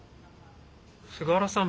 菅原さん